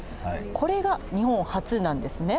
これが日本初なんですね。